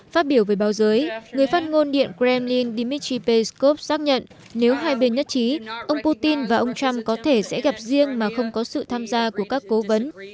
phát biểu về báo giới người phát ngôn điện kremlin dmitry peskov xác nhận nếu hai bên nhất trí ông putin và ông trump có thể sẽ gặp riêng mà không có sự tham gia của các cố vấn